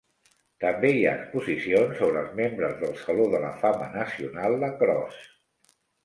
També hi ha exposicions sobre els membres del Saló de la Fama Nacional Lacrosse.